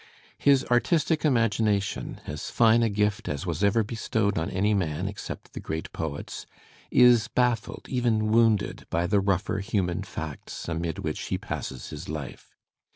His artistic imagination, as fine a gift as was ever bestowed on any man except the great poets, is baffled, even wounded by the rougher hiunan facts amid which he passes his life.